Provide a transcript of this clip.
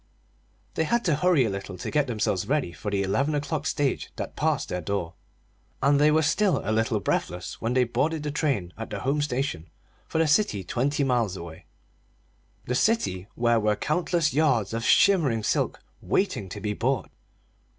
They had to hurry a little to get themselves ready for the eleven o'clock stage that passed their door; and they were still a little breathless when they boarded the train at the home station for the city twenty miles away the city where were countless yards of shimmering silk waiting to be bought.